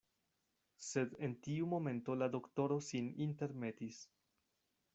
Sed en tiu momento la doktoro sin intermetis.